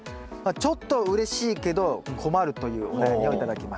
ちょっとうれしいけど困るというお悩みを頂きました。